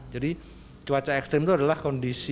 jadi cuaca ekstrim itu adalah kondisi